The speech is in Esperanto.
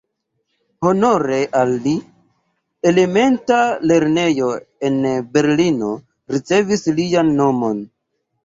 Honore al li, elementa lernejo en Berlino ricevis lian nomon.